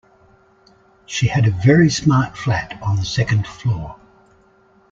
She had a very smart flat on the second floor